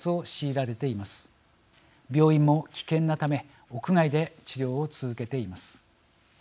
病院も危険なため屋外で治療を続けています。